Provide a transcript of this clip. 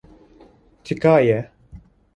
Tika ye.